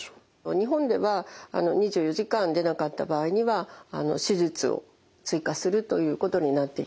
日本では２４時間出なかった場合には手術を追加するということになっています。